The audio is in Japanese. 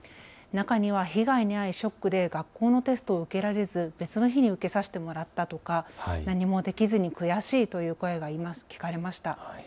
中には被害に遭いショックで学校のテストを受けられず別の日に受けさせてもらったとか、何もできずに悔しいという声が聞かれました。